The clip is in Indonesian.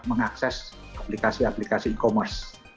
mengakses aplikasi aplikasi e commerce